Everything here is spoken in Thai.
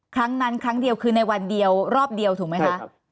ครั้งนั้นครั้งเดียวคือในวันเดียวรอบเดียวถูกไหมคะ